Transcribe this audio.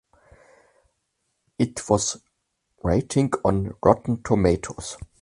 It has rating on Rotten Tomatoes.